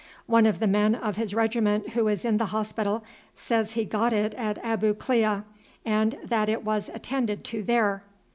One of the men of his regiment who is in the hospital says he got it at Abu Klea, and that it was attended to there."